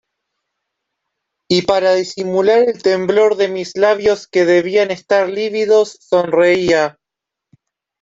y para disimular el temblor de mis labios que debían estar lívidos, sonreía.